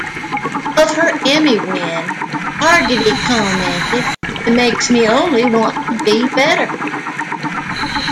Of her Emmy win, Hargitay commented: It makes me only want to be better.